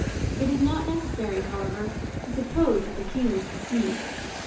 It is not necessary, however, to suppose that the King was deceived.